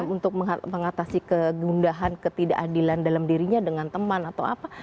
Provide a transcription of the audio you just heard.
untuk mengatasi kegundahan ketidakadilan dalam dirinya dengan teman atau apa